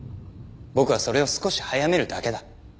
僕はそれを少し早めるだけだ。